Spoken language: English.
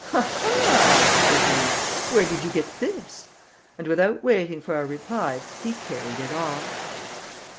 "Ah! ah!" said he, "where did you get this?" and without waiting for a reply he carried it off.